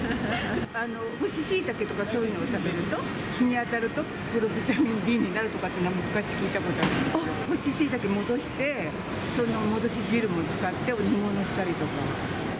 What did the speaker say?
干しシイタケとかそういうのを食べると、日に当たると、ビタミンＤになるとか、昔聞いたことありますけど、干しシイタケ戻して、その戻し汁も使って煮物したりとか。